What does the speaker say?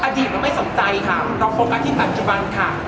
อดีตมันไม่สำใจค่ะเราโฟกัสที่ตัจจุบันค่ะ